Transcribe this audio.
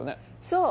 そう。